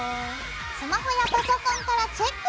スマホやパソコンからチェックしてみてね。